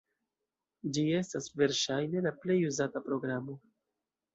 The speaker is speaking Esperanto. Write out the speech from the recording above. Ĝi estas verŝajne la plej uzata programo.